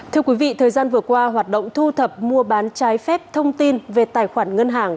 thưa quý vị thời gian vừa qua hoạt động thu thập mua bán trái phép thông tin về tài khoản ngân hàng